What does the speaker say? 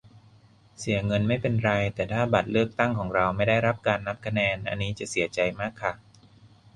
เสียเงินไม่เป็นไร แต่ถ้าบัตรเลือกตั้ง ของเราไม่ได้รับการนับคะแนน อันนี้จะเสียใจมากค่ะ